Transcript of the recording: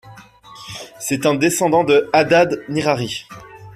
C'est un descendant de Adad-Nirâri.